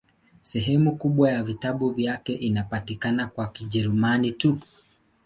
Sehemu kubwa ya vitabu vyake inapatikana kwa Kijerumani tu.